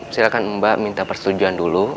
silahkan mbak minta persetujuan dulu